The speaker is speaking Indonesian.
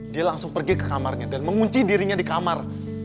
dia langsung pergi ke kamarnya dan mengunci dirinya di kamar